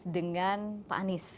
dengan pak anies